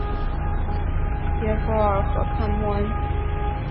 耶弗尔河畔默恩。